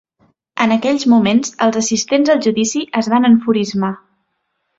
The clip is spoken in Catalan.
En aquells moments els assistents al judici es van enfurismar.